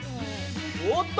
おっと！